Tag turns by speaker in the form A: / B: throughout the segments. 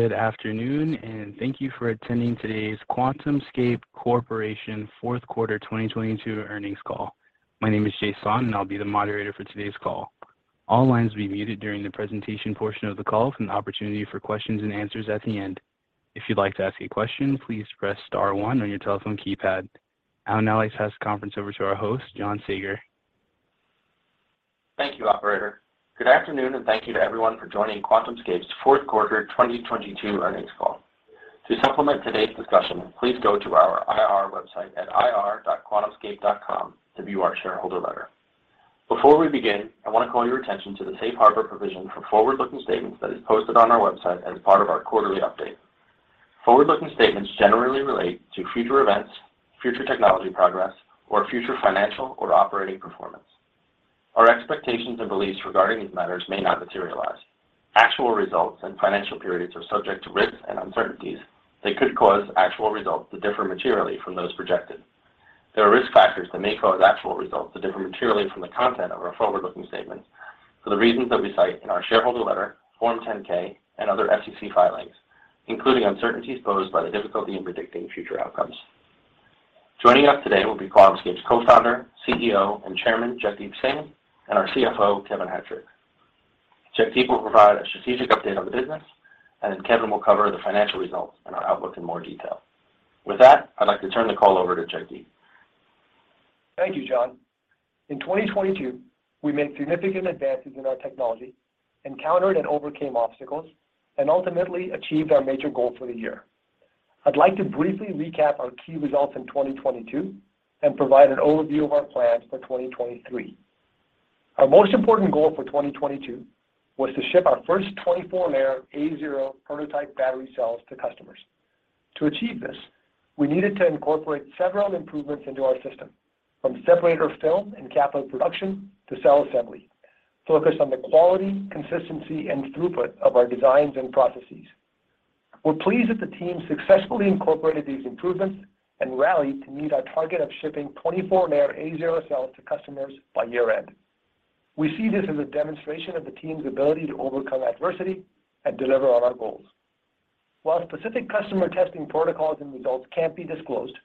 A: Good afternoon, and thank you for attending today's QuantumScape Corporation fourth quarter 2022 earnings call. My name is Jason, and I'll be the moderator for today's call. All lines will be muted during the presentation portion of the call with an opportunity for questions and answers at the end. If you'd like to ask a question, please press star 1 on your telephone keypad. I'll now pass the conference over to our host, John Saager.
B: Thank you, operator. Good afternoon, and thank you to everyone for joining QuantumScape's fourth quarter 2022 earnings call. To supplement today's discussion, please go to our IR website at ir.quantumscape.com to view our shareholder letter. Before we begin, I want to call your attention to the safe harbor provision for Forward-Looking statements that is posted on our website as part of our quarterly update. Forward-looking statements generally relate to future events, future technology progress, or future financial or operating performance. Our expectations and beliefs regarding these matters may not materialize. Actual results and financial periods are subject to risks and uncertainties that could cause actual results to differ materially from those projected. There are risk factors that may cause actual results to differ materially from the content of our forward-looking statements for the reasons that we cite in our shareholder letter, Form 10-K, and other SEC filings, including uncertainties posed by the difficulty in predicting future outcomes. Joining us today will be QuantumScape's Co-founder, CEO, and Chairman, Jagdeep Singh, and our CFO, Kevin Hettrich. Jagdeep will provide a strategic update on the business, and then Kevin will cover the financial results and our outlook in more detail. With that, I'd like to turn the call over to Jagdeep.
C: Thank you, John. In 2022, we made significant advances in our technology, encountered and overcame obstacles, and ultimately achieved our major goal for the year. I'd like to briefly recap our key results in 2022 and provide an overview of our plans for 2023. Our most important goal for 2022 was to ship our first 24-Layer A0 prototype battery cells to customers. To achieve this, we needed to incorporate several improvements into our system, from separator film and cathode production to cell assembly, focused on the quality, consistency and throughput of our designs and processes. We're pleased that the team successfully incorporated these improvements and rallied to meet our target of shipping 24-Layer A0 cells to customers by Year-End. We see this as a demonstration of the team's ability to overcome adversity and deliver on our goals. While specific customer testing protocols and results can't be disclosed,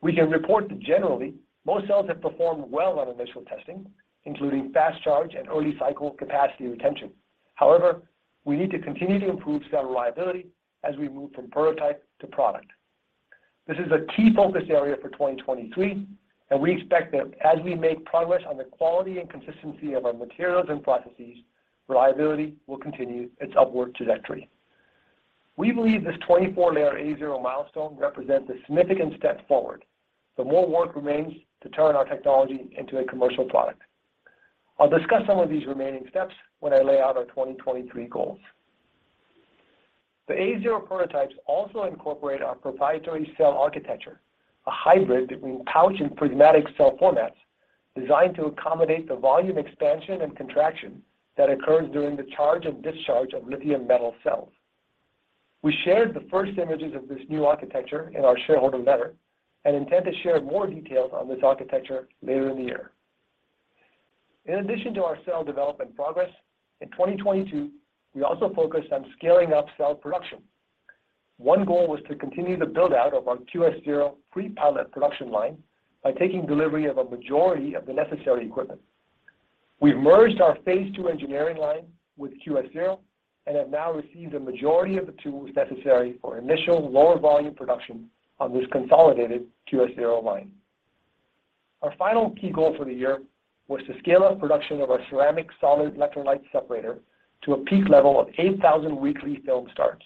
C: we can report that generally, most cells have performed well on initial testing, including fast charge and early cycle capacity retention. However, we need to continue to improve cell reliability as we move from prototype to product. This is a key focus area for 2023, and we expect that as we make progress on the quality and consistency of our materials and processes, reliability will continue its upward trajectory. We believe this 24-Layer A0 milestone represents a significant step forward, but more work remains to turn our technology into a commercial product. I'll discuss some of these remaining steps when I lay out our 2023 goals. The A0 prototypes also incorporate our proprietary cell architecture, a hybrid between pouch and prismatic cell formats designed to accommodate the volume expansion and contraction that occurs during the charge and discharge of lithium metal cells. We shared the first images of this new architecture in our shareholder letter and intend to share more details on this architecture later in the year. In addition to our cell development progress, in 2022 we also focused on scaling up cell production. 1 goal was to continue the build-out of our QS-0 Pre-Pilot production line by taking delivery of a majority of the necessary equipment. We've merged our Phase 2 engineering line with QS-0 and have now received a majority of the tools necessary for initial lower volume production on this consolidated QS-0 line. Our final key goal for the year was to scale up production of our ceramic solid electrolyte separator to a peak level of 8,000 weekly film starts.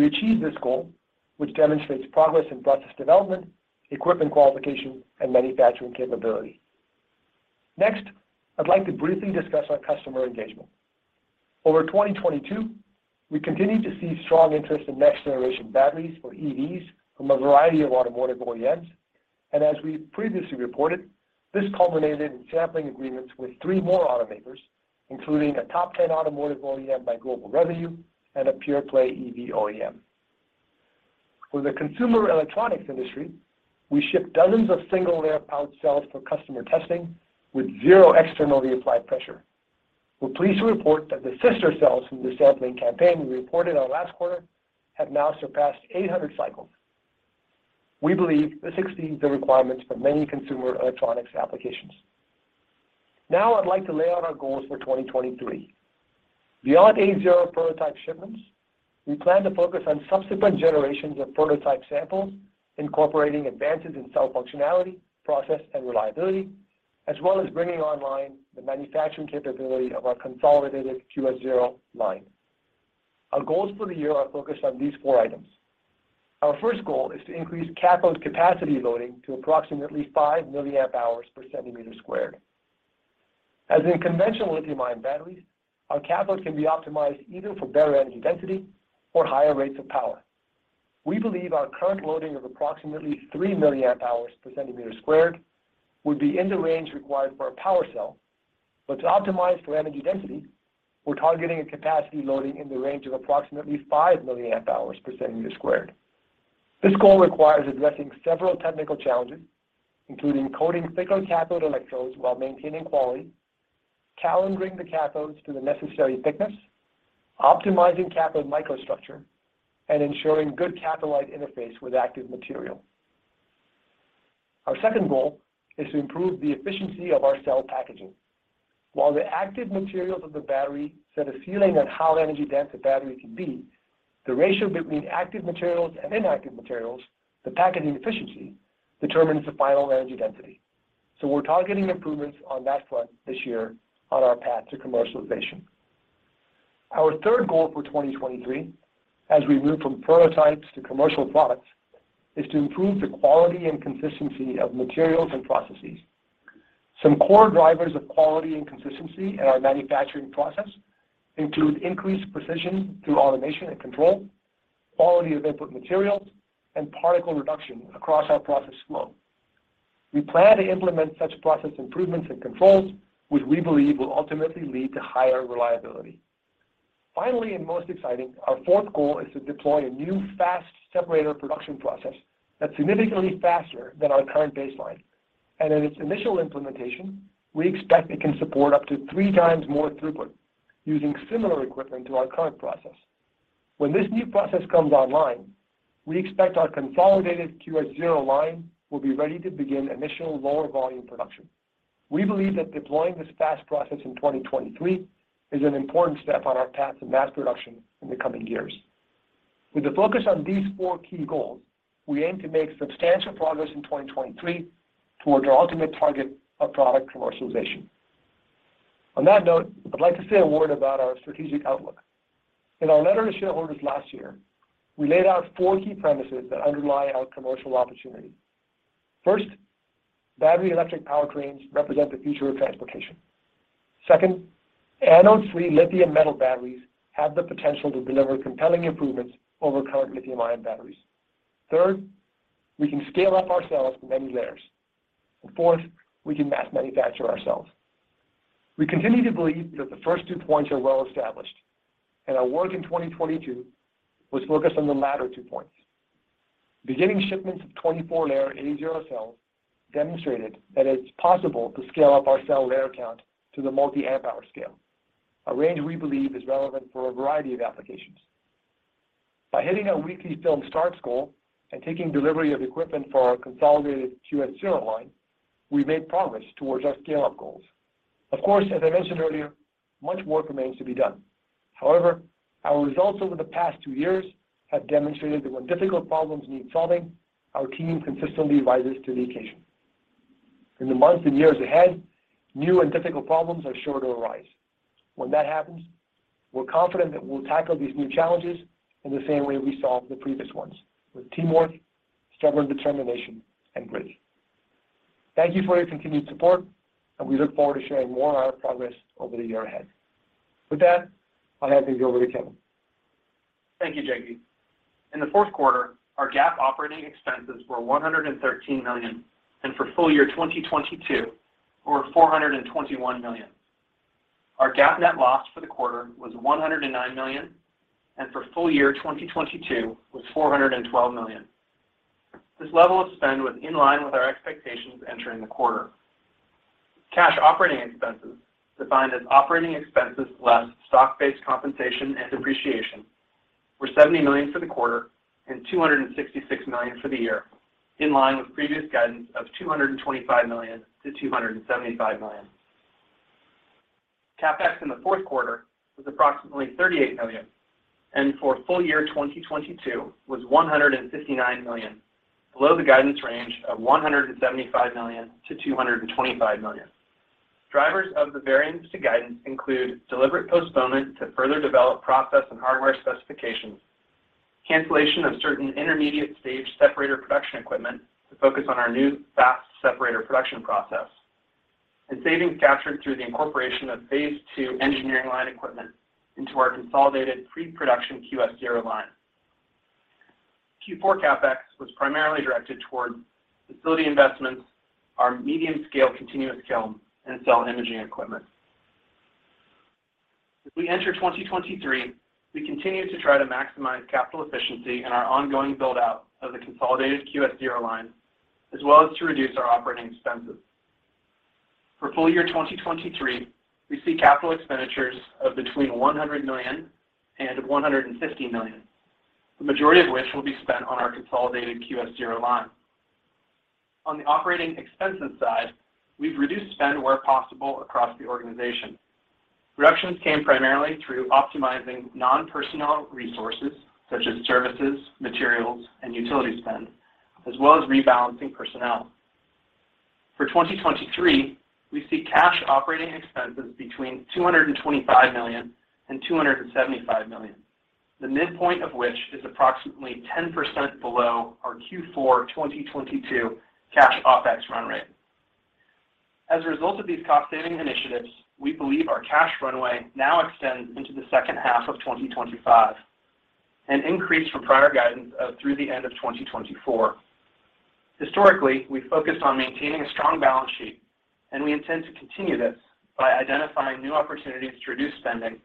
C: We achieved this goal, which demonstrates progress in process development, equipment qualification, and manufacturing capability. I'd like to briefly discuss our customer engagement. Over 2022, we continued to see strong interest in next generation batteries for EVs from a variety of automotive OEMs. As we previously reported, this culminated in sampling agreements with 3 more automakers, including a top 10 automotive OEM by global revenue and a Pure-Play EV OEM. For the consumer electronics industry, we shipped dozens of single-layer pouch cells for customer testing with 0 externally applied pressure. We're pleased to report that the sister cells from the sampling campaign we reported on last quarter have now surpassed 800 cycles. We believe this exceeds the requirements for many consumer electronics applications. I'd like to lay out our goals for 2023. Beyond A0 prototype shipments, we plan to focus on subsequent generations of prototype samples, incorporating advances in cell functionality, process, and reliability, as well as bringing online the manufacturing capability of our consolidated QS-0 line. Our goals for the year are focused on these 4 items. Our first goal is to increase cathode capacity loading to approximately 5 milliamp hours per centimeter squared. As in conventional Lithium-Ion batteries, our cathode can be optimized either for better energy density or higher rates of power. We believe our current loading of approximately 3 milliamp hours per centimeter squared would be in the range required for a power cell. To optimize for energy density, we're targeting a capacity loading in the range of approximately 5 milliamp hours per centimeter squared. This goal requires addressing several technical challenges, including coating thicker cathode electrodes while maintaining quality. Calendering the cathodes to the necessary thickness, optimizing cathode microstructure, and ensuring good catholyte interface with active material. Our second goal is to improve the efficiency of our cell packaging. While the active materials of the battery set a ceiling on how energy-dense a battery can be, the ratio between active materials and inactive materials, the packaging efficiency, determines the final energy density. We're targeting improvements on that front this year on our path to commercialization. Our third goal for 2023, as we move from prototypes to commercial products, is to improve the quality and consistency of materials and processes. Some core drivers of quality and consistency in our manufacturing process include increased precision through automation and control, quality of input materials, and particle reduction across our process flow. We plan to implement such process improvements and controls, which we believe will ultimately lead to higher reliability. Finally, and most exciting, our fourth goal is to deploy a new fast separator production process that's significantly faster than our current baseline. In its initial implementation, we expect it can support up to 3 times more throughput using similar equipment to our current process. When this new process comes online, we expect our consolidated QS-0 line will be ready to begin initial lower volume production. We believe that deploying this fast process in 2023 is an important step on our path to mass production in the coming years. With the focus on these four key goals, we aim to make substantial progress in 2023 towards our ultimate target of product commercialization. On that note, I'd like to say a word about our strategic outlook. In our letter to shareholders last year, we laid out four key premises that underlie our commercial opportunity. First, battery electric powertrains represent the future of transportation. Second, anode-free lithium metal batteries have the potential to deliver compelling improvements over current Lithium-Ion batteries. Third, we can scale up our cells to many layers. Fourth, we can mass manufacture our cells. We continue to believe that the first 2 points are well established, and our work in 2022 was focused on the latter 2 points. Beginning shipments of 24-Layer A0 cells demonstrated that it's possible to scale up our cell layer count to the multi-amp hour scale, a range we believe is relevant for a variety of applications. By hitting our weekly film starts goal and taking delivery of equipment for our consolidated QS-0 line, we made progress towards our Scale-U p goals. Of course, as I mentioned earlier, much work remains to be done. However, our results over the past 2 years have demonstrated that when difficult problems need solving, our team consistently rises to the occasion. In the months and years ahead, new and difficult problems are sure to arise. When that happens, we're confident that we'll tackle these new challenges in the same way we solved the previous ones, with teamwork, stubborn determination, and grit. Thank you for your continued support. We look forward to sharing more on our progress over the year ahead. With that, I'll hand things over to Kevin.
D: Thank you, Jagdeep. In the fourth quarter, our GAAP operating expenses were $113 million, and for full year 2022 were $421 million. Our GAAP net loss for the quarter was $109 million, and for full year 2022 was $412 million. This level of spend was in line with our expectations entering the quarter. Cash operating expenses, defined as operating expenses less Stock-Based compensation and depreciation, were $70 million for the quarter and $266 million for the year, in line with previous guidance of $225 million-$275 million. CapEx in the fourth quarter was approximately $38 million, and for full year 2022 was $159 million, below the guidance range of $175 million-$225 million. Drivers of the variance to guidance include deliberate postponement to further develop process and hardware specifications, cancellation of certain intermediate stage separator production equipment to focus on our new fast separator production process, and savings captured through the incorporation of Phase 2 engineering line equipment into our consolidated pre-production QS-0 line. Q4 CapEx was primarily directed toward facility investments, our medium-scale continuous film, and cell imaging equipment. As we enter 2023, we continue to try to maximize capital efficiency in our ongoing build-out of the consolidated QS-0 line, as well as to reduce our operating expenses. For full year 2023, we see capital expenditures of between $100 million and $150 million, the majority of which will be spent on our consolidated QS-0 line. On the operating expenses side, we've reduced spend where possible across the organization. Reductions came primarily through optimizing non-personnel resources such as services, materials, and utility spend, as well as rebalancing personnel. For 2023, we see cash operating expenses between $225 million and $275 million, the midpoint of which is approximately 10% below our Q4 2022 cash OpEx run rate. As a result of these cost-saving initiatives, we believe our cash runway now extends into the second half of 2025, an increase from prior guidance of through the end of 2024. Historically, we focused on maintaining a strong balance sheet, and we intend to continue this by identifying new opportunities to reduce spending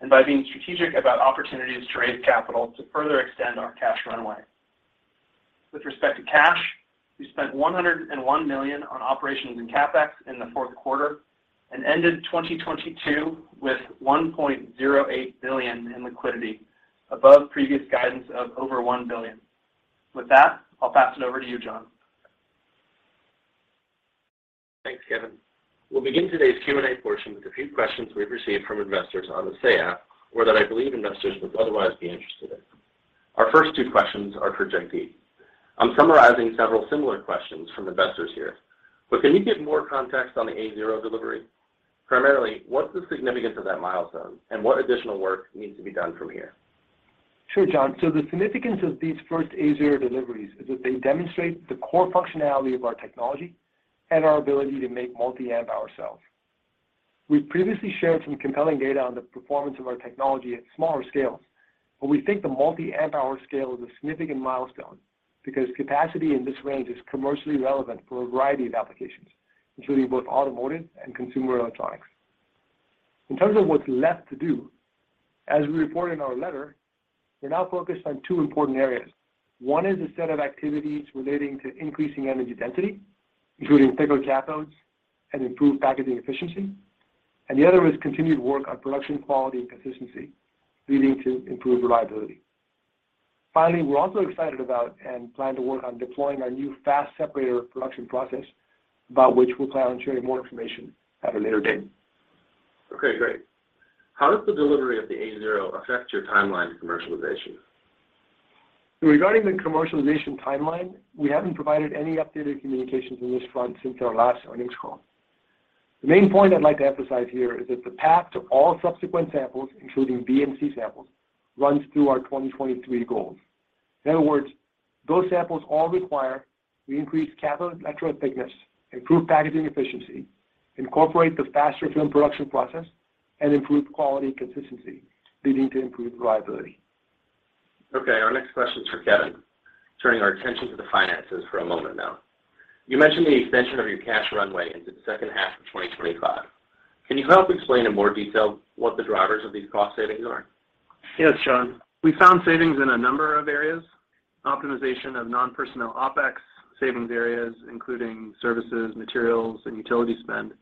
D: and by being strategic about opportunities to raise capital to further extend our cash runway. With respect to cash, we spent $101 million on operations and CapEx in the fourth quarter and ended 2022 with $1.08 billion in liquidity above previous guidance of over $1 billion. With that, I'll pass it over to you, John.
B: Thanks, Kevin. We'll begin today's Q&A portion with a few questions we've received from investors on the Say app or that I believe investors would otherwise be interested in. Our first 2 questions are for Jagdeep. I'm summarizing several similar questions from investors here, but can you give more context on the A zero delivery? Primarily, what's the significance of that milestone, and what additional work needs to be done from here?
C: Sure, John. The significance of these first A0 deliveries is that they demonstrate the core functionality of our technology and our ability to make Multi-Amp hour cells. We've previously shared some compelling data on the performance of our technology at smaller scales, but we think the Multi-Amp hour scale is a significant milestone because capacity in this range is commercially relevant for a variety of applications, including both automotive and consumer electronics. In terms of what's left to do, as we report in our letter, we're now focused on 2 important areas. 1 is a set of activities relating to increasing energy density, including thicker cathodes and improved packaging efficiency, and the other is continued work on production quality and consistency, leading to improved reliability. Finally, we're also excited about and plan to work on deploying our new fast separator production process, about which we'll plan on sharing more information at a later date.
B: Okay, great. How does the delivery of the A0 affect your timeline to commercialization?
C: Regarding the commercialization timeline, we haven't provided any updated communications on this front since our last earnings call. The main point I'd like to emphasize here is that the path to all subsequent samples, including B samples and C samples, runs through our 2023 goals. In other words, those samples all require we increase cathode electrode thickness, improve packaging efficiency, incorporate the fast film production process, and improve quality consistency, leading to improved reliability.
B: Okay. Our next question is for Kevin. Turning our attention to the finances for a moment now. You mentioned the extension of your cash runway into the second half of 2025. Can you help explain in more detail what the drivers of these cost savings are?
D: Yes, John. We found savings in a number of areas. Optimization of Non-Personnel OpEx savings areas, including services, materials, and utility spend.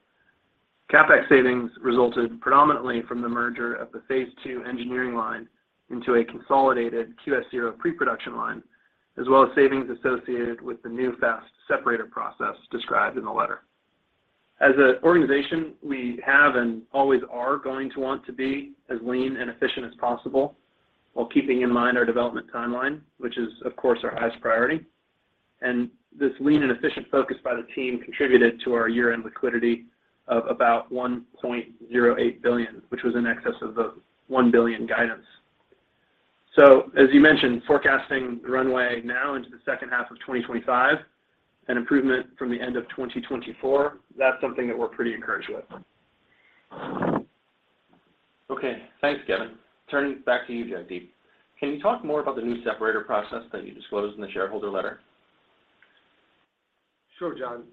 D: CapEx savings resulted predominantly from the merger of the Phase 2 engineering line into a consolidated QS-0 Pre-Production line, as well as savings associated with the new fast separator process described in the letter. As an organization, we have and always are going to want to be as lean and efficient as possible while keeping in mind our development timeline, which is, of course, our highest priority. This lean and efficient focus by the team contributed to our year-end liquidity of about $1.08 billion, which was in excess of the $1 billion guidance. As you mentioned, forecasting runway now into the second half of 2025, an improvement from the end of 2024, that's something that we're pretty encouraged with.
B: Okay. Thanks, Kevin. Turning back to you, Jagdeep. Can you talk more about the new separator process that you disclosed in the shareholder letter?
C: Sure, John.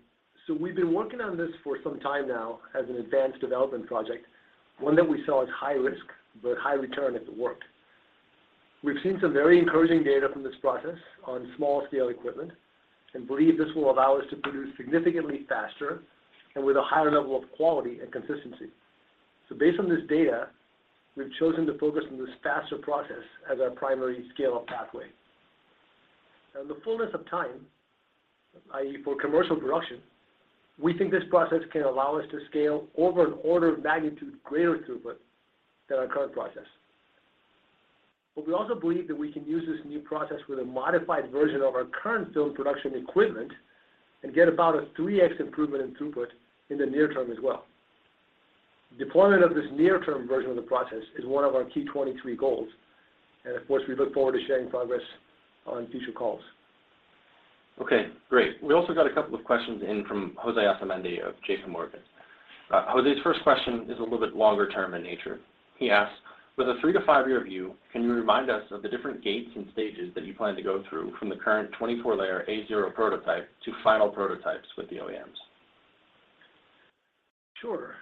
C: We've been working on this for some time now as an advanced development project, 1 that we saw as high risk, but high return if it worked. We've seen some very encouraging data from this process on small scale equipment, and believe this will allow us to produce significantly faster and with a higher level of quality and consistency. Based on this data, we've chosen to focus on this faster process as our primary Scale-Up pathway. In the fullness of time, i.e., for commercial production, we think this process can allow us to scale over an order of magnitude greater throughput than our current process. We also believe that we can use this new process with a modified version of our current film production equipment and get about a 3x improvement in throughput in the near term as well. Deployment of this near-term version of the process is 1 of our key 2023 goals. Of course, we look forward to sharing progress on future calls.
B: Okay, great. We also got a couple of questions in from Jose Asumendi of JP Morgan. Jose's first question is a little bit longer term in nature. He asks: With a 3-5-Year view, can you remind us of the different gates and stages that you plan to go through from the current 24-Layer A0 prototype to final prototypes with the OEMs?
C: Sure.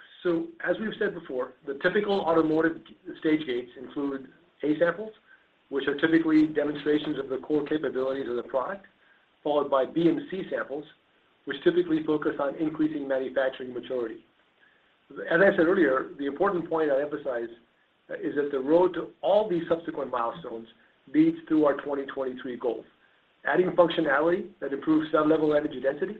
C: As we've said before, the typical automotive stage gates include A samples, which are typically demonstrations of the core capabilities of the product, followed by B and C samples, which typically focus on increasing manufacturing maturity. As I said earlier, the important point I emphasize is that the road to all these subsequent milestones leads through our 2023 goals. Adding functionality that improves cell level energy density,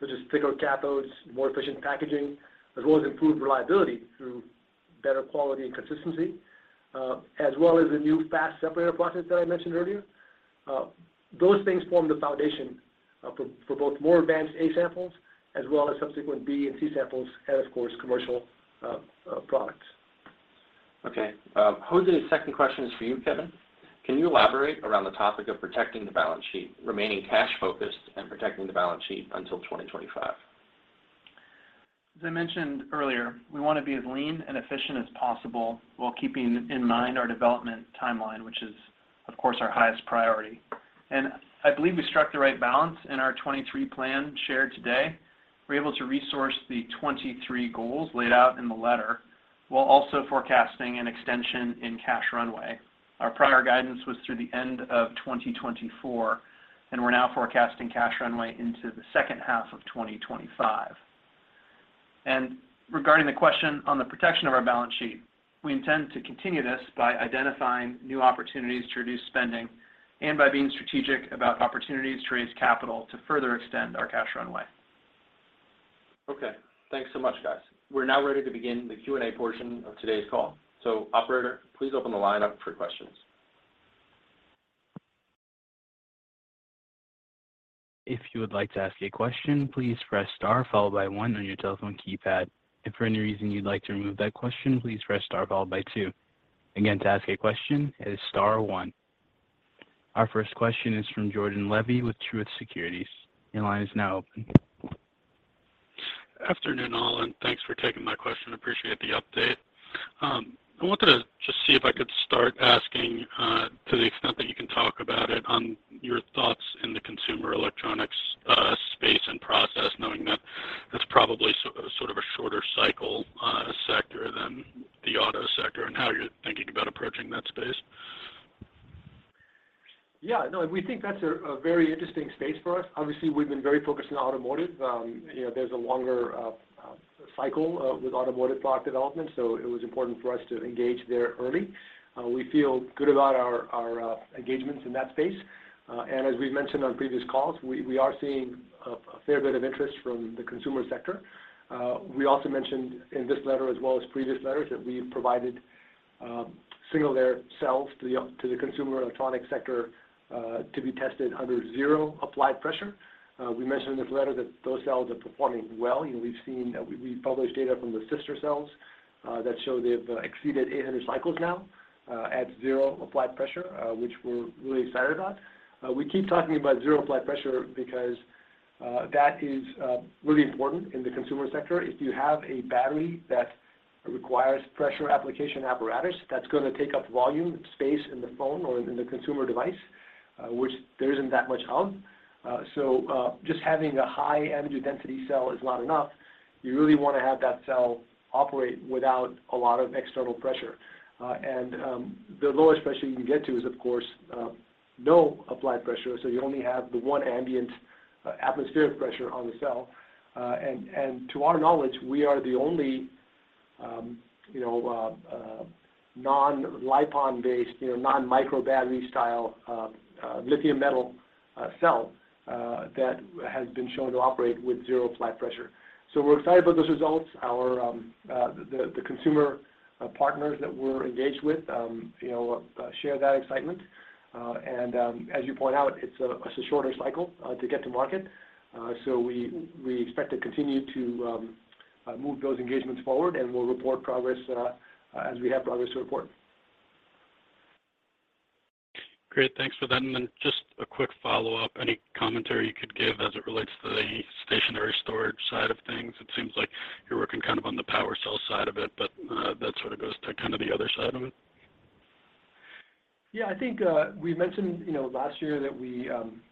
C: such as thicker cathodes, more efficient packaging, as well as improved reliability through better quality and consistency, as well as the new fast separator process that I mentioned earlier. Those things form the foundation for both more advanced A samples as well as subsequent B and C samples and, of course, commercial products.
B: Okay. Jose's second question is for you, Kevin. Can you elaborate around the topic of protecting the balance sheet, remaining cash focused, and protecting the balance sheet until 2025?
D: As I mentioned earlier, we want to be as lean and efficient as possible while keeping in mind our development timeline, which is, of course, our highest priority. I believe we struck the right balance in our 2023 plan shared today. We're able to resource the 2023 goals laid out in the letter
C: While also forecasting an extension in cash runway. Our prior guidance was through the end of 2024, we're now forecasting cash runway into the second half of 2025. Regarding the question on the protection of our balance sheet, we intend to continue this by identifying new opportunities to reduce spending and by being strategic about opportunities to raise capital to further extend our cash runway. Okay. Thanks so much, guys. We're now ready to begin the Q&A portion of today's call. Operator, please open the line up for questions.
A: If you would like to ask a question, please press star followed by 1 on your telephone keypad. If for any reason you'd like to remove that question, please press star followed by 2. Again, to ask a question, it is star 1. Our first question is from Jordan Levy with Truist Securities. Your line is now open.
E: Afternoon, all, and thanks for taking my question. Appreciate the update. I wanted to just see if I could start asking, to the extent that you can talk about it on your thoughts in the consumer electronics space and process, knowing that that's probably sort of a shorter cycle sector than the auto sector and how you're thinking about approaching that space.
C: Yeah. No, we think that's a very interesting space for us. Obviously, we've been very focused on automotive. You know, there's a longer cycle with automotive product development, so it was important for us to engage there early. We feel good about our engagements in that space. As we've mentioned on previous calls, we are seeing a fair bit of interest from the consumer sector. We also mentioned in this letter as well as previous letters that we've provided single layer cells to the consumer electronic sector to be tested under zero applied pressure. We mentioned in this letter that those cells are performing well. You know, we've seen... We've published data from the sister cells that show they've exceeded 800 cycles now at zero applied pressure, which we're really excited about. We keep talking about zero applied pressure because that is really important in the consumer sector. If you have a battery that requires pressure application apparatus, that's gonna take up volume and space in the phone or in the consumer device, which there isn't that much of. Just having a high energy density cell is not enough. You really wanna have that cell operate without a lot of external pressure. The lowest pressure you can get to is of course, no applied pressure, so you only have the 1 ambient atmospheric pressure on the cell. To our knowledge, we are the only, you know, Non-LiPON based, you know, non-micro battery style, lithium metal, cell, that has been shown to operate with 0 applied pressure. We're excited about those results. Our, the consumer partners that we're engaged with, you know, share that excitement. As you point out, it's a shorter cycle to get to market. We expect to continue to move those engagements forward, and we'll report progress as we have progress to report.
E: Great. Thanks for that. Then just a quick Follow-Up. Any commentary you could give as it relates to the stationary storage side of things? It seems like you're working kind of on the power cell side of it, but that sort of goes to kind of the other side of it.
C: Yeah. I think, we mentioned, you know, last year that we,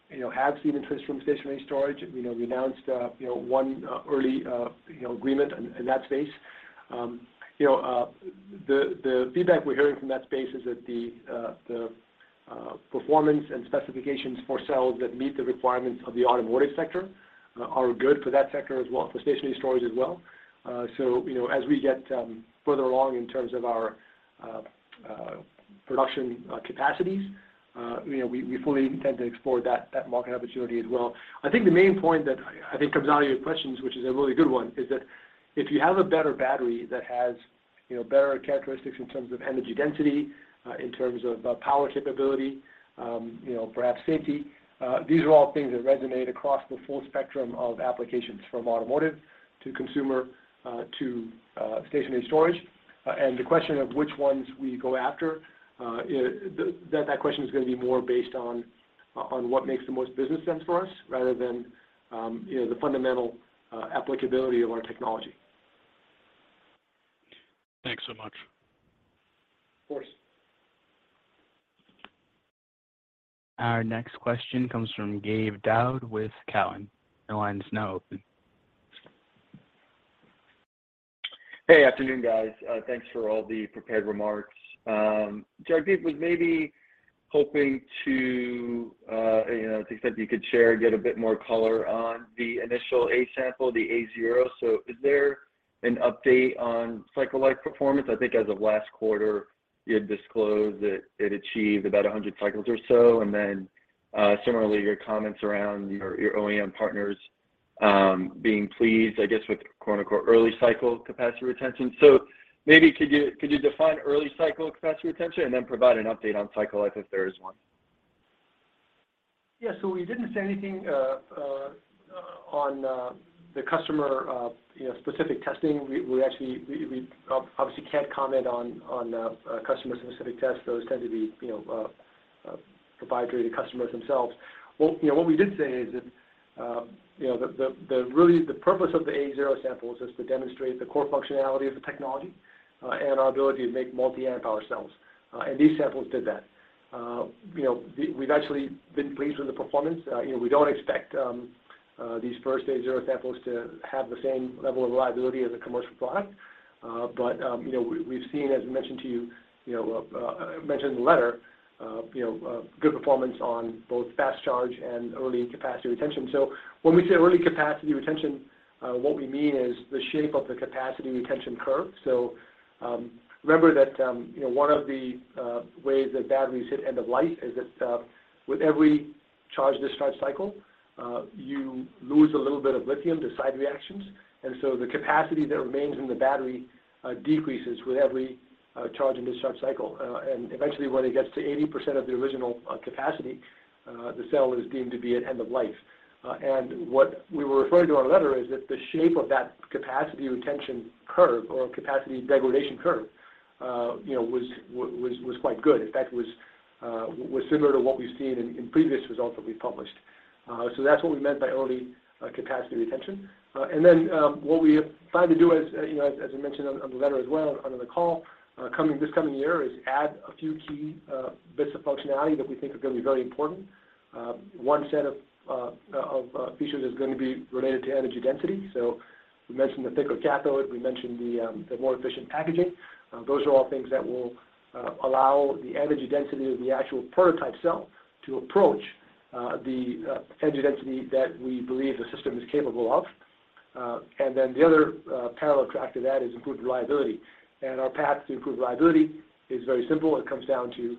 C: you know, have seen interest from stationary storage. You know, we announced, you know, 1, early, you know, agreement in that space. You know, the feedback we're hearing from that space is that the, performance and specifications for cells that meet the requirements of the automotive sector, are good for that sector as well, for stationary storage as well. As we get, further along in terms of our, production, capacities, you know, we fully intend to explore that market opportunity as well. I think the main point that I think comes out of your questions, which is a really good 1, is that if you have a better battery that has, you know, better characteristics in terms of energy density, in terms of, power capability, you know, perhaps safety, these are all things that resonate across the full spectrum of applications from automotive to consumer, to, stationary storage. The question of which ones we go after, that question is gonna be more based on what makes the most business sense for us rather than, you know, the fundamental, applicability of our technology.
E: Thanks so much.
C: Of course.
A: Our next question comes from Gabe Daoud with Cowen. Your line is now open.
F: Hey. Afternoon, guys. thanks for all the prepared remarks. Jagdeep was maybe hoping to, you know, to the extent you could share, get a bit more color on the initial A sample, the A0. Is there an update on cycle life performance? I think as of last quarter, you had disclosed that it achieved about 100 cycles or so. Similarly, your comments around your OEM partners, being pleased, I guess, with quote, unquote, "early cycle capacity retention." Maybe could you, could you define early cycle capacity retention and then provide an update on cycle life if there is 1?
C: Yeah. We didn't say anything on the customer, you know, specific testing. We actually obviously can't comment on customer specific tests. Those tend to be, you know, provided to the customers themselves. What, you know, what we did say is that, you know, the really the purpose of the A0 samples is to demonstrate the core functionality of the technology, and our ability to make multi amp power cells. These samples did that. You know, we've actually been pleased with the performance. You know, we don't expect these first A0 samples to have the same level of reliability as a commercial product. We've seen, as we mentioned to you, mentioned in the letter, good performance on both fast charge and early capacity retention. When we say early capacity retention, what we mean is the shape of the capacity retention curve. Remember that 1 of the ways that batteries hit end of life is that with every charge discharge cycle, you lose a little bit of lithium to side reactions. The capacity that remains in the battery, decreases with every charge and discharge cycle. Eventually when it gets to 80% of the original capacity, the cell is deemed to be at end of life. What we were referring to on the letter is that the shape of that capacity retention curve or capacity degradation curve, you know, was quite good. In fact, was similar to what we've seen in previous results that we've published. That's what we meant by early capacity retention. Then, what we plan to do is, you know, as I mentioned on the letter as well under the call, this coming year is add a few key bits of functionality that we think are gonna be very important. 1 set of features is gonna be related to energy density. We mentioned the thicker cathode, we mentioned the more efficient packaging. Those are all things that will allow the energy density of the actual prototype cell to approach the energy density that we believe the system is capable of. Then the other parallel track to that is improved reliability. Our path to improved reliability is very simple. It comes down to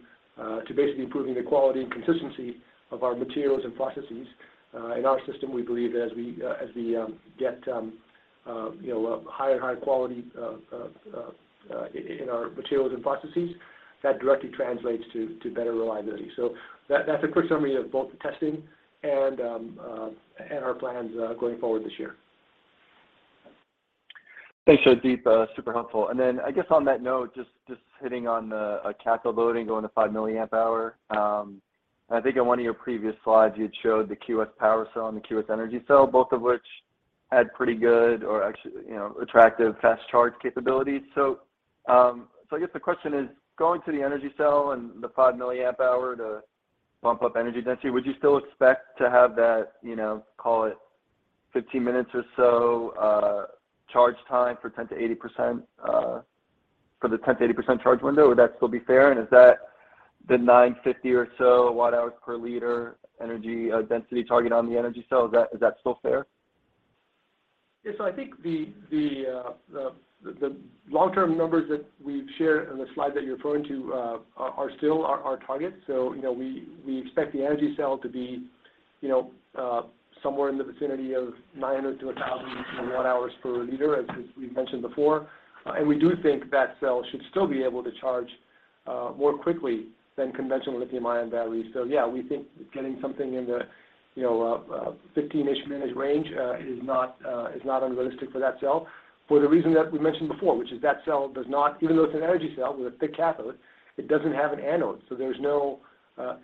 C: basically improving the quality and consistency of our materials and processes. In our system, we believe that as we get, you know, higher and higher quality in our materials and processes, that directly translates to better reliability. That's a quick summary of both the testing and our plans going forward this year.
F: Thanks, Jagdeep. Super helpful. I guess on that note, just hitting on the cathode loading going to 5 milliamp hour. I think in 1 of your previous slides you had showed the QS power cell and the QS energy cell, both of which had pretty good or you know, attractive fast charge capabilities. I guess the question is, going to the energy cell and the 5 milliamp hour to bump up energy density, would you still expect to have that, you know, call it 15 minutes or so, charge time for 10% to 80%, for the 10% to 80% charge window? Would that still be fair? Is that the 950 or so watt-hours per liter energy, density target on the energy cell? Is that still fair?
C: Yeah. I think the long-term numbers that we've shared in the slide that you're referring to, are still our targets. You know, we expect the energy cell to be, you know, somewhere in the vicinity of 900 to 1,000 watt-hours per liter, as we've mentioned before. We do think that cell should still be able to charge more quickly than conventional lithium-ion batteries. Yeah, we think getting something in the, you know, 15-ish minute range, is not unrealistic for that cell for the reason that we mentioned before, which is that cell does not... Even though it's an energy cell with a thick cathode, it doesn't have an anode, so there's no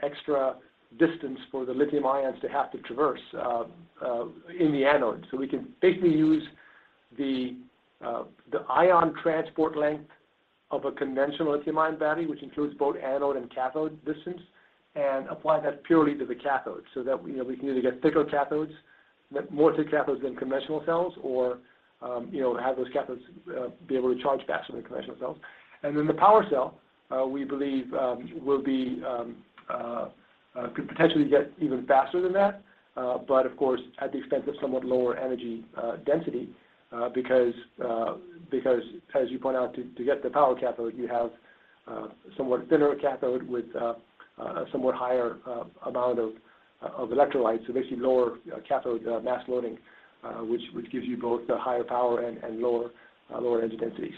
C: extra distance for the lithium ions to have to traverse in the anode. We can basically use the ion transport length of a conventional Lithium-Ion battery, which includes both anode and cathode distance, and apply that purely to the cathode so that, you know, we can either get thicker cathodes, more thick cathodes than conventional cells or, you know, have those cathodes be able to charge faster than conventional cells. The power cell, we believe, will be could potentially get even faster than that. Of course, at the expense of somewhat lower energy density, because as you point out to get the power cathode, you have somewhat thinner cathode with a somewhat higher amount of electrolytes, so basically lower cathode mass loading, which gives you both the higher power and lower lower energy density.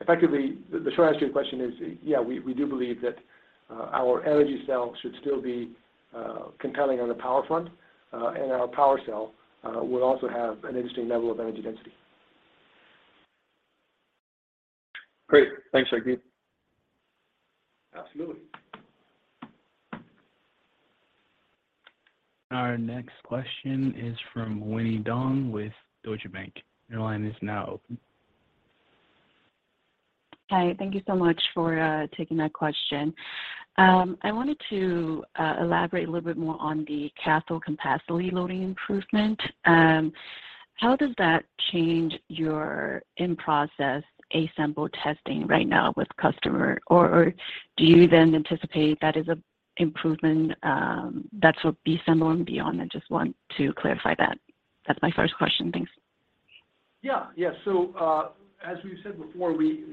C: Effectively, the short answer to your question is, yeah, we do believe that our energy cell should still be compelling on the power front, and our power cell will also have an interesting level of energy density.
F: Great. Thanks, Jagdeep.
C: Absolutely.
A: Our next question is from Winnie Dong with Deutsche Bank. Your line is now open.
G: Hi. Thank you so much for taking my question. I wanted to elaborate a little bit more on the cathode capacity loading improvement. How does that change your In-Process A sample testing right now with customer? Do you then anticipate that is a improvement, that's for B sample and beyond? I just want to clarify that. That's my first question. Thanks.
C: Yeah. Yeah. As we've said before, we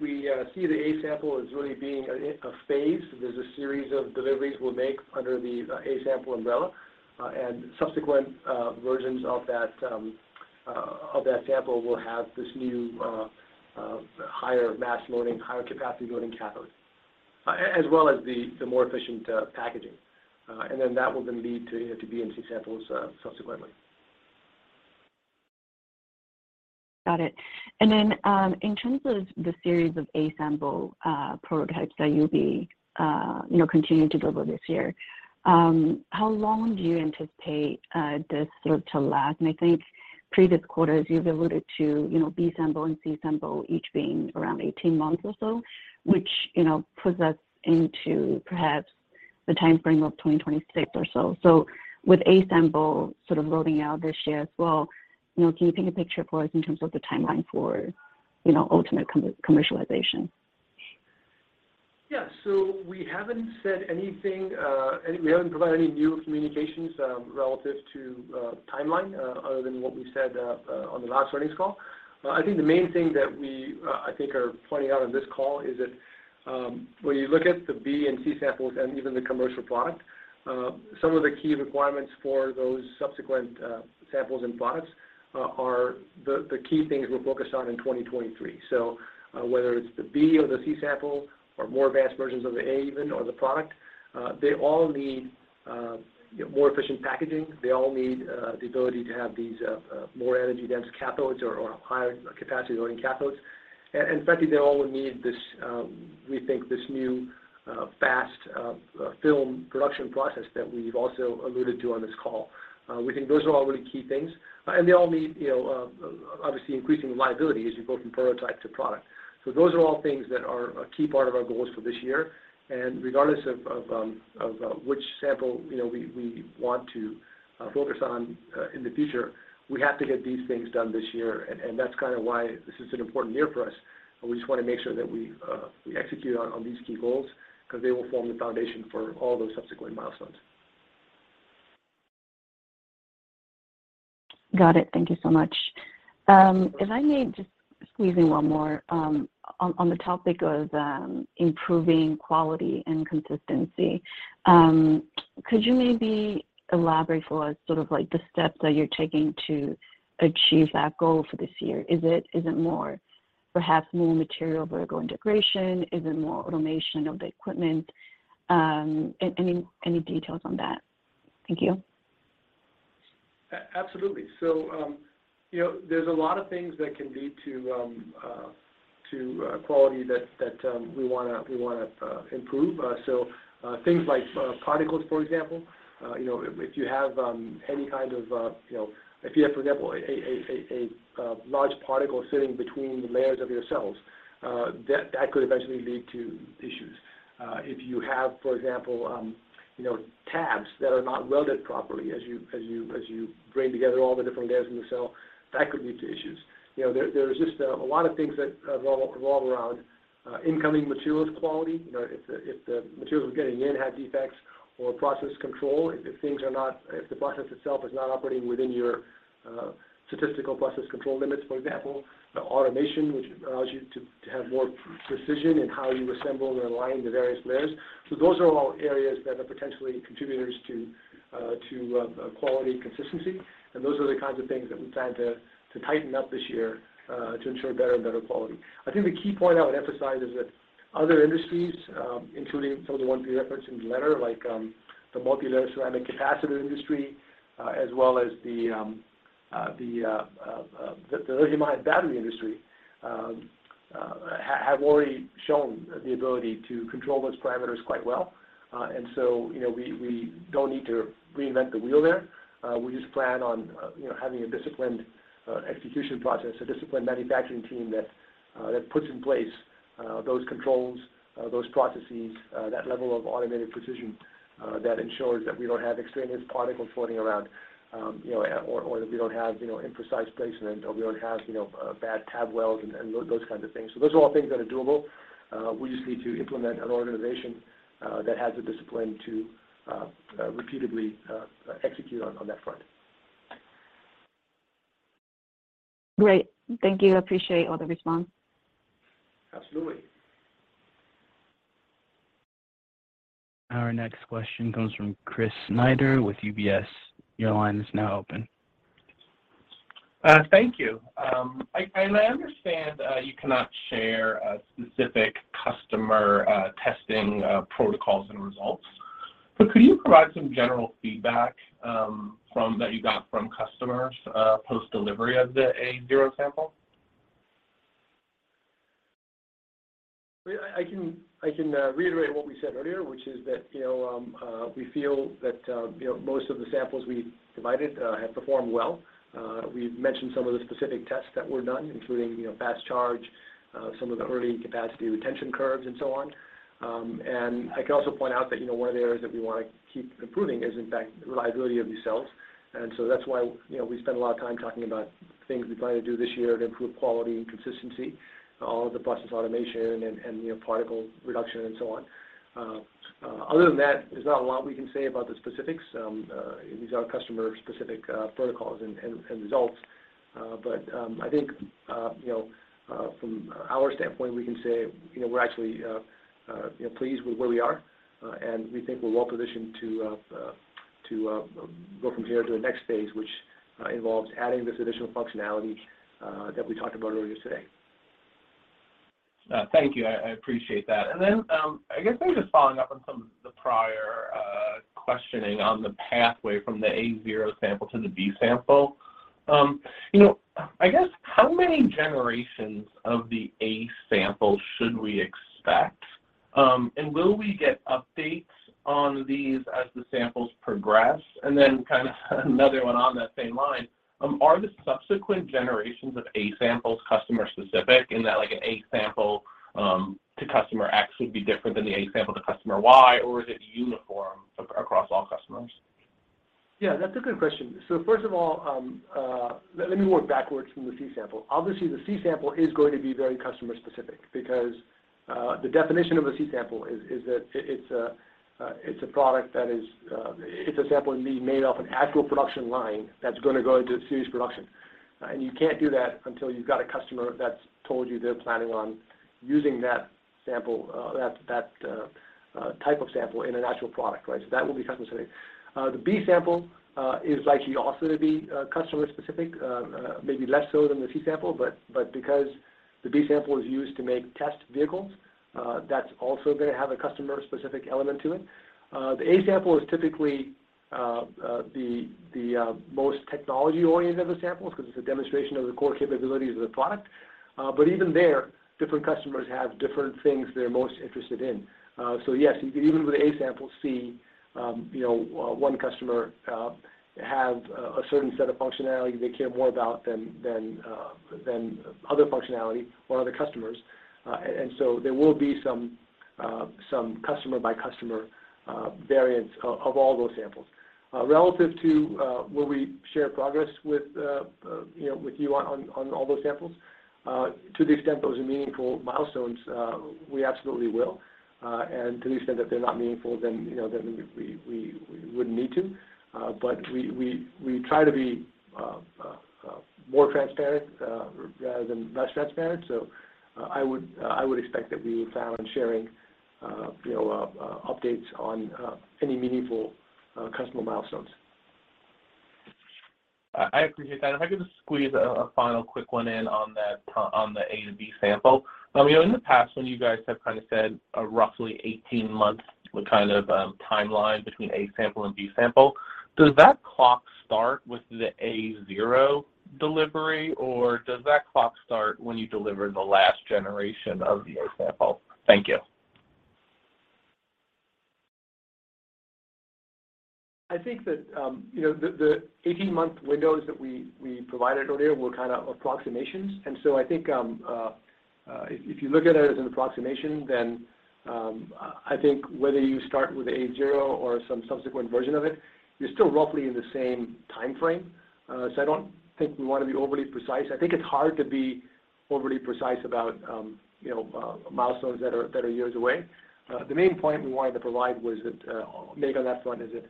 C: see the A sample as really being a phase. There's a series of deliveries we'll make under the A sample umbrella, and subsequent versions of that sample will have this new higher mass loading, higher capacity loading cathode, as well as the more efficient packaging. That will then lead to, you know, to B and C samples subsequently.
G: Got it. Then, in terms of the series of A sample prototypes that you'll be, you know, continuing to deliver this year, how long do you anticipate this sort of to last? I think previous quarters you've alluded to, you know, B sample and C sample each being around 18 months or so, which, you know, puts us into perhaps the timeframe of 2026 or so. With A sample sort of rolling out this year as well, you know, can you paint a picture for us in terms of the timeline for, you know, ultimate commercialization?
C: Yeah. We haven't said anything, we haven't provided any new communications relative to timeline other than what we said on the last earnings call. I think the main thing that we I think are pointing out on this call is that when you look at the B and C samples and even the commercial product, some of the key requirements for those subsequent samples and products are the key things we're focused on in 2023. Whether it's the B or the C sample or more advanced versions of the A even or the product, they all need more efficient packaging. They all need the ability to have these more energy-dense cathodes or higher capacity loading cathodes. In fact, they all would need this, we think this new fast film production process that we've also alluded to on this call. We think those are all really key things. They all need, you know, obviously increasing reliability as you go from prototype to product. Those are all things that are a key part of our goals for this year. Regardless of, of which sample, you know, we want to focus on in the future, we have to get these things done this year. That's kinda why this is an important year for us. We just wanna make sure that we execute on these key goals 'cause they will form the foundation for all those subsequent milestones.
G: Got it. Thank you so much. If I may just squeeze in 1 more, on the topic of improving quality and consistency, could you maybe elaborate for us sort of like the steps that you're taking to achieve that goal for this year? Is it more perhaps more material vertical integration? Is it more automation of the equipment? Any details on that? Thank you.
C: Absolutely. You know, there's a lot of things that can lead to quality that we wanna improve. Things like particles, for example. You know, if you have any kind of, you know, if you have, for example, a large particle sitting between the layers of your cells, that could eventually lead to issues. If you have, for example, you know, tabs that are not welded properly as you bring together all the different layers in the cell, that could lead to issues. You know, there is just a lot of things that revolve around incoming materials quality. You know, if the materials we're getting in have defects or process control, if the process itself is not operating within your statistical process control limits, for example, the automation which allows you to have more precision in how you assemble and align the various layers. Those are all areas that are potentially contributors to quality and consistency. Those are the kinds of things that we plan to tighten up this year to ensure better and better quality. I think the key point I would emphasize is that other industries, including some of the ones we referenced in the letter, like the multilayer ceramic capacitor industry, as well as the Lithium-Ion battery industry, have already shown the ability to control those parameters quite well. You know, we don't need to reinvent the wheel there. We just plan on, you know, having a disciplined execution process, a disciplined manufacturing team that puts in place those controls, those processes, that level of automated precision, that ensures that we don't have extraneous particles floating around, you know, or that we don't have, you know, imprecise placement, or we don't have, you know, bad tab welds and those kinds of things. Those are all things that are doable. We just need to implement an organization that has the discipline to repeatedly execute on that front.
G: Great. Thank you. I appreciate all the response.
C: Absolutely.
A: Our next question comes from Chris Snyder with UBS. Your line is now open.
H: Thank you. I understand, you cannot share, specific customer, testing, protocols and results, but could you provide some general feedback, that you got from customers, post-delivery of the A0 sample?
C: I can reiterate what we said earlier, which is that, you know, we feel that, you know, most of the samples we provided have performed well. We've mentioned some of the specific tests that were done, including, you know, fast charge, some of the early capacity retention curves and so on. I can also point out that, you know, 1 of the areas that we wanna keep improving is, in fact, the reliability of these cells. That's why, you know, we spend a lot of time talking about things we plan to do this year to improve quality and consistency, all of the process automation and, you know, particle reduction and so on. Other than that, there's not a lot we can say about the specifics. These are customer-specific protocols and results. I think, you know, from our standpoint, we can say, you know, we're actually, you know, pleased with where we are, and we think we're well positioned to go from here to the next phase, which involves adding this additional functionality, that we talked about earlier today.
H: Thank you. I appreciate that. I guess maybe just following up on some of the prior questioning on the pathway from the A0 sample to the B sample. You know, I guess how many generations of the A sample should we expect? Will we get updates on these as the samples progress? Kind of another 1 on that same line, are the subsequent generations of A samples customer specific in that, like, an A sample to customer X would be different than the A sample to customer Y, or is it uniform across all customers?
C: That's a good question. First of all, let me work backwards from the C sample. Obviously, the C sample is going to be very customer-specific because the definition of a C sample is that it's a product that is a sample made off an actual production line that's gonna go into series production. And you can't do that until you've got a customer that's told you they're planning on using that sample, that type of sample in an actual product, right? That will be Customer-Specific. The B sample is likely also to be customer-specific, maybe less so than the C sample, but because the B sample is used to make test vehicles, that's also gonna have a customer-specific element to it. The A sample is typically the most technology-oriented of the samples 'cause it's a demonstration of the core capabilities of the product. Even there, different customers have different things they're most interested in. Yes, you could even with the A sample see, you know, 1 customer have a certain set of functionality they care more about than other functionality or other customers. There will be some customer by customer variance of all those samples. Relative to, will we share progress with, you know, with you on all those samples, to the extent those are meaningful milestones, we absolutely will. To the extent that they're not meaningful, you know, we wouldn't need to. We try to be more transparent rather than less transparent, so I would expect that we would found sharing, you know, updates on any meaningful customer milestones.
H: I appreciate that. If I could just squeeze a final quick 1 in on that on the A sample and B sample, you know, in the past, when you guys have kinda said a roughly 18 months kind of timeline between A sample and B sample, does that clock start with the A0 delivery, or does that clock start when you deliver the last generation of the A sample? Thank you.
C: I think that, you know, the 18-month windows that we provided earlier were kinda approximations. I think, if you look at it as an approximation, then, I think whether you start with A0 or some subsequent version of it, you're still roughly in the same timeframe. I don't think we wanna be overly precise. I think it's hard to be overly precise about, you know, milestones that are years away. The main point we wanted to provide was that, or make on that front is that,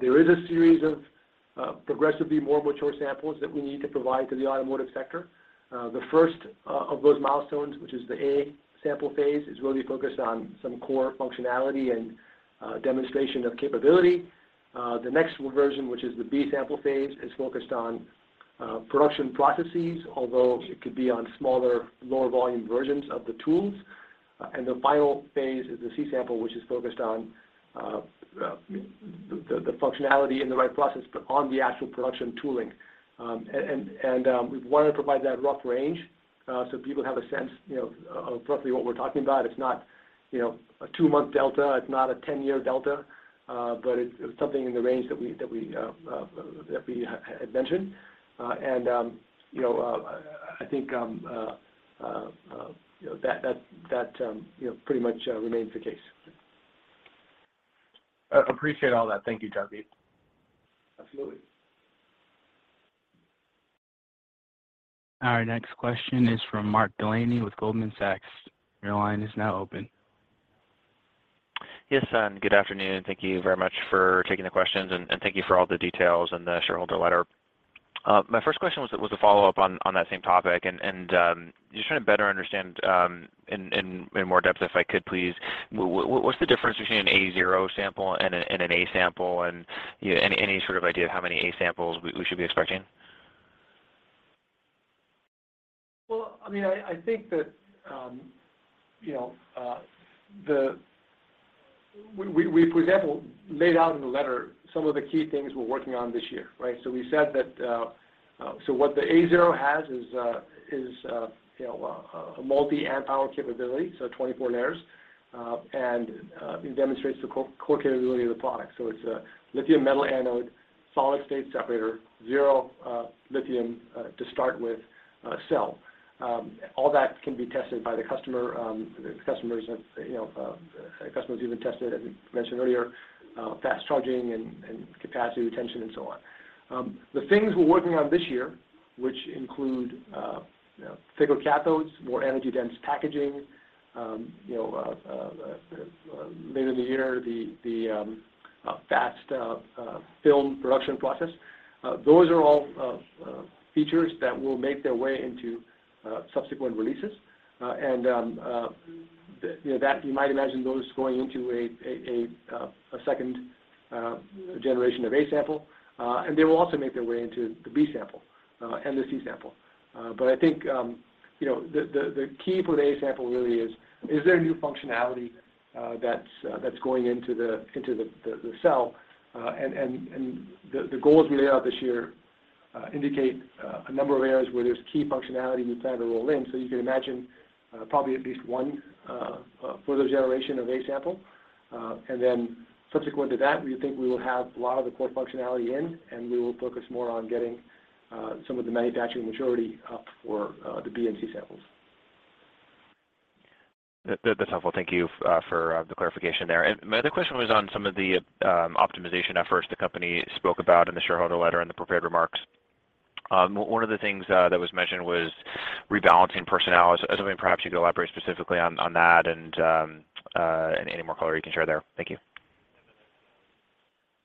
C: there is a series of progressively more mature samples that we need to provide to the automotive sector. The first of those milestones, which is the A sample phase, is really focused on some core functionality and demonstration of capability. The next version, which is the B sample phase, is focused on production processes, although it could be on smaller, lower volume versions of the tools. The final phase is the C sample, which is focused on the functionality and the right process on the actual production tooling. We wanna provide that rough range, so people have a sense, you know, of roughly what we're talking about. It's not, you know, a 2-Month delta, it's not a 10-Year delta, but it's something in the range that we, that we had mentioned. You know, I think, you know, pretty much remains the case.
H: appreciate all that. Thank you, Javi.
C: Absolutely.
A: Our next question is from Mark Delaney with Goldman Sachs. Your line is now open.
I: Yes, good afternoon. Thank you very much for taking the questions, and thank you for all the details in the shareholder letter. My first question was a Follow-Up on that same topic and just trying to better understand in more depth, if I could please. What's the difference between an A0 sample and an A sample, and any sort of idea of how many A samples we should be expecting?
C: Well, I mean, I think that, you know, we laid out in the letter some of the key things we're working on this year, right? We said that what the A0 has is, you know, a multi amp-hour capability, 24 layers, and it demonstrates the core capability of the product. It's a Lithium metal anode, Solid-State separator, zero lithium to start with cell. All that can be tested by the customer, the customers, you know, even tested, as we mentioned earlier, fast charging and capacity retention and so on. The things we're working on this year, which include, you know, thicker cathodes, more energy dense packaging, you know, later in the year, the fast film production process, those are all features that will make their way into subsequent releases. You know, that you might imagine those going into a second generation of A sample, and they will also make their way into the B sample and the C sample. I think, you know, the key for the A sample really is there new functionality that's going into the cell? And the goals we laid out this year indicate a number of areas where there's key functionality we plan to roll in. You can imagine probably at least 1 further generation of A sample. Subsequent to that, we think we will have a lot of the core functionality in, and we will focus more on getting some of the manufacturing maturity up for the B and C samples.
I: That's helpful. Thank you for the clarification there. My other question was on some of the optimization efforts the company spoke about in the shareholder letter and the prepared remarks. 1 of the things that was mentioned was rebalancing personnel. I was wondering perhaps you could elaborate specifically on that and any more color you can share there. Thank you.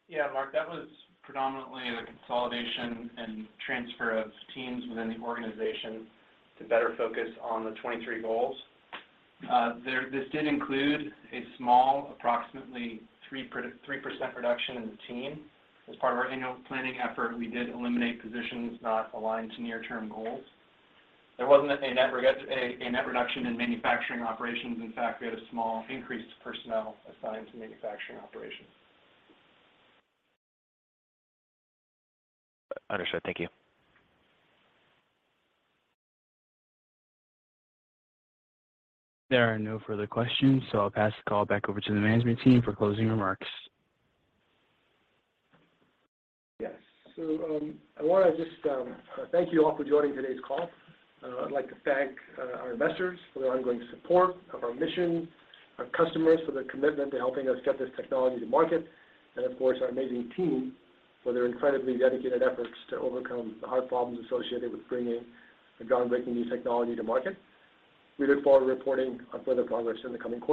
D: Yeah, Mark, that was predominantly a consolidation and transfer of teams within the organization to better focus on the 23 goals. This did include a small approximately 3% reduction in the team. As part of our annual planning effort, we did eliminate positions not aligned to near-term goals. There wasn't a net reduction in manufacturing operations. In fact, we had a small increase to personnel assigned to manufacturing operations.
I: Understood. Thank you.
A: There are no further questions, so I'll pass the call back over to the management team for closing remarks.
C: Yes. I wanna just thank you all for joining today's call. I'd like to thank our investors for their ongoing support of our mission, our customers for their commitment to helping us get this technology to market, of course, our amazing team for their incredibly dedicated efforts to overcome the hard problems associated with bringing a groundbreaking new technology to market. We look forward to reporting on further progress in the coming quarters.